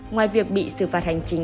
ngoài việc bị xử phạt hành chính